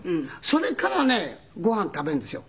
それからねご飯を食べるんですよ。